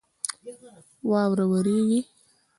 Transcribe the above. واوره ورېږي